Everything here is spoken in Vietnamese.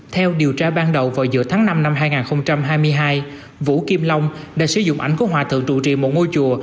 theo điều tra ban đầu vào giữa tháng năm năm hai nghìn hai mươi hai vũ kim long đã sử dụng ảnh của hòa thượng trụ trì một ngôi chùa